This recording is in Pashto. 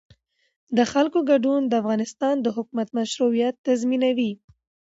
د خلکو ګډون د افغانستان د حکومت مشروعیت تضمینوي